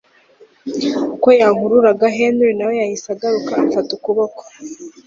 uko yankururaga Henry nawe yahise ahaguruka amfata ukuboko